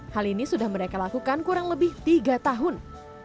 hal ini sudah mereka lakukan kurang lebih tiga tahun